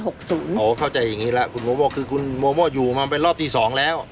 โอ้โหเข้าใจอย่างนี้แล้วคุณโมโม่คือคุณโมโม่อยู่มาเป็นรอบที่๒แล้ว